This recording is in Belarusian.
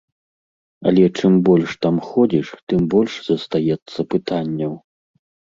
Але чым больш там ходзіш, тым больш застаецца пытанняў.